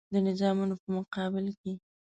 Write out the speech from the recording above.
د نظامونو په مقابل کې.